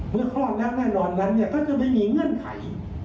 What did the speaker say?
คลอดนักแน่นอนนั้นก็จะไม่มีเงื่อนไข